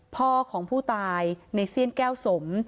พ่อของผู้ตายในเซียนแก้วสม